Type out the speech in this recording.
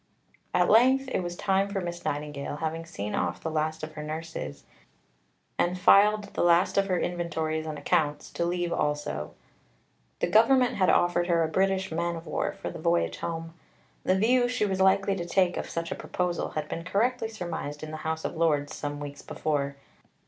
At length it was time for Miss Nightingale, having seen off the last of her nurses, and filed the last of her inventories and accounts, to leave also. The Government had offered her a British man of war for the voyage home. The view she was likely to take of such a proposal had been correctly surmised in the House of Lords some weeks before.